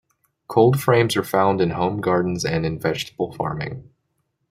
Cold frames are found in home gardens and in vegetable farming.